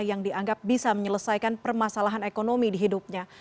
yang dianggap bisa menyelesaikan permasalahan ekonomi di hidupnya